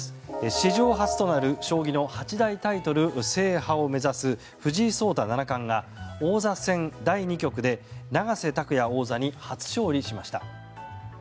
史上初となる将棋の八大タイトル制覇を目指す藤井聡太七冠が王座戦第２局で永瀬拓矢王座に初勝利しました。